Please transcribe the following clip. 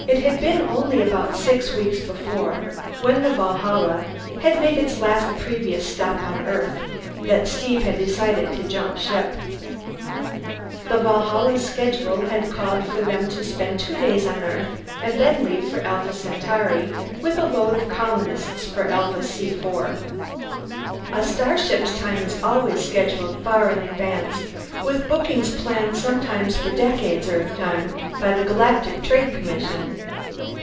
It had been only about six weeks before, when the Valhalla had made its last previous stop on Earth, that Steve had decided to jump ship. The Valhalla's schedule had called for them to spend two days on Earth and then leave for Alpha Centauri with a load of colonists for Alpha C IV. A starship's time is always scheduled far in advance, with bookings planned sometimes for decades Earthtime by the Galactic Trade Commission.